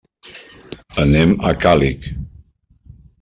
Anem a Càlig.